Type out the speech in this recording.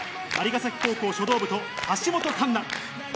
蟻ヶ崎高校書道部と橋本環奈。